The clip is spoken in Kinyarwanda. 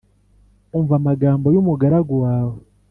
umva amagambo y’umugaragu wawe.